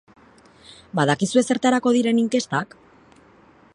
Badakizue zertarako diren inkestak?